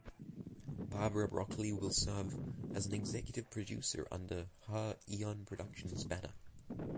Barbara Broccoli will serve as an executive producer under her Eon Productions banner.